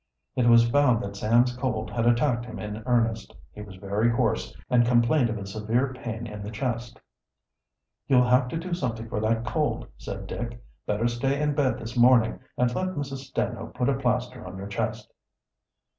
It was found that Sam's cold had attacked him in earnest. He was very hoarse, and complained of a severe pain in the chest. "You'll have to do something for that cold," said Dick. "Better stay in bed this morning, and let Mrs. Stanhope put a plaster on your chest."